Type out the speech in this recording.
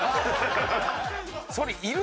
それいる？